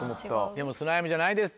でもスライムじゃないです